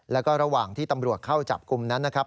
แล้วก็ระหว่างที่ตำรวจเข้าจับกลุ่มนั้นนะครับ